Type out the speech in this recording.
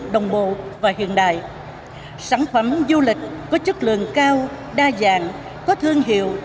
đồng bộ và hiện đại sản phẩm du lịch có chất lượng cao đa dạng có thương hiệu